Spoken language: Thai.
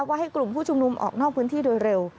ว่าให้กลุ่มผู้ชุมนุมออกนอกพื้นที่โดยเร็ว